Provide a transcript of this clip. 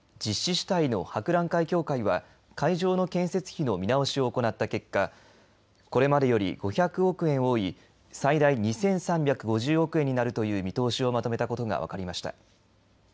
主体の博覧会協会は会場の建設費の見直しを行った結果これまでより５００億円多い最大２３５０億円になるという見通しをまとめたことが分かりました。